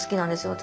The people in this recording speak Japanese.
私。